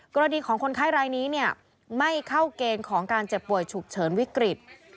กรณีของคนไข้รายนี้ไม่เข้าเกณฑ์ของการเจ็บป่วยฉุกเฉินวิกฤต